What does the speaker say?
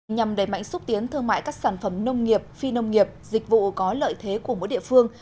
nhằm đẩy mạnh xúc tiến thương mại các sản phẩm nông nghiệp phi nông nghiệp dịch vụ có lợi thế của mỗi địa phương